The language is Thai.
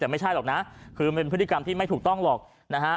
แต่ไม่ใช่หรอกนะคือเป็นพฤติกรรมที่ไม่ถูกต้องหรอกนะฮะ